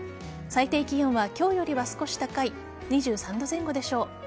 最低気温は今日よりは少し高い２３度前後でしょう。